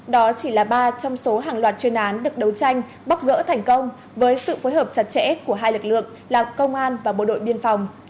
đó chỉ là ba trong số hàng loạt chuyên án được đấu tranh bóc gỡ thành công với sự phối hợp chặt chẽ của hai lực lượng là công an và bộ đội biên phòng